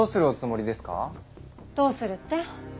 どうするって？